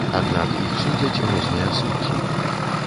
Аднак іх судзяць розныя суддзі.